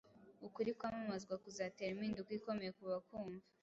ukuri kwamamazwa kuzatera impinduka ikomeye ku bakumva.